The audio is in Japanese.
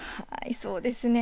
そうですね。